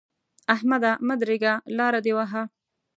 احمده! مه درېږه؛ لاره دې وهه.